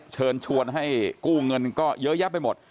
เชิญชวนให้กู้เงินก็เยอะแยะไปหมด